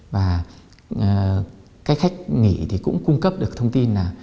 và cách khách nghỉ thì cũng cung cấp được thông tin là